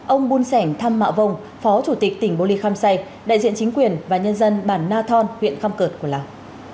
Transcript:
ông bun sẻnh tham mạ vông phó chủ tịch tỉnh bồ lê khăm xây đại diện chính quyền và nhân dân bản na thon huyện khăm cợt của lào